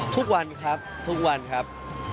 ทุกวันครับทุกวันครับ